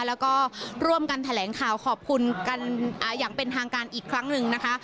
แล้วก็ร่วมกันแถลงข่าวขอบคุณกันอย่างเป็นทางการอีกครั้งหนึ่งนะคะ